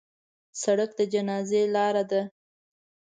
سړک د جنازې لار ده.